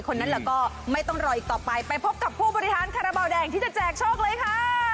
คนนั้นแหละก็ไม่ต้องรออีกต่อไปไปพบกับผู้บริหารคาราบาลแดงที่จะแจกโชคเลยค่ะ